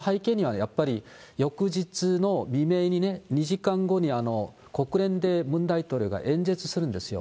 しかしその背景には、やっぱり翌日の未明にね、２時間後に国連でムン大統領が演説するんですよ。